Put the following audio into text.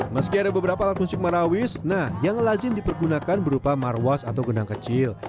meski ada beberapa alat musik marawis nah yang lazim dipergunakan berupa marwas atau genang kecil